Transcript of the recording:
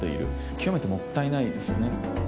極めてもったいないですよね。